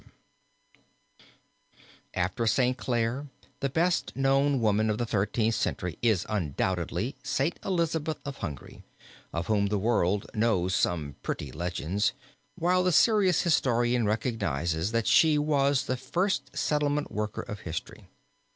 ELIZABETH'S CATHEDRAL (MARBURG) After Saint Clare, the best known woman of the Thirteenth Century is undoubtedly Saint Elizabeth of Hungary, of whom the world knows some pretty legends, while the serious historian recognizes that she was the first settlement worker of history.